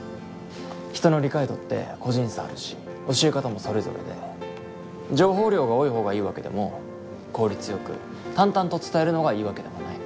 人の理解度って個人差あるし教え方もそれぞれで情報量が多い方がいいわけでも効率よく淡々と伝えるのがいいわけでもない。